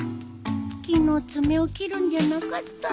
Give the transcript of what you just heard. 昨日爪を切るんじゃなかった。